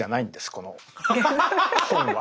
この本は。